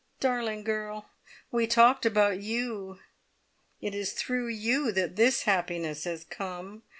"Darling girl! we talked about you it is through you that this happiness has come.